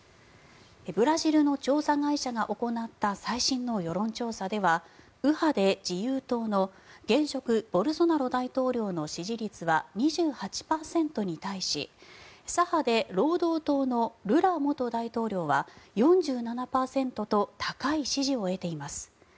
ブラジルの調査会社が行った最新の世論調査では右派で自由党の現職ボルソナロ大統領の支持率は２８％に対し左派で労働党のルラ元大統領は４７％と高い支持を得ています。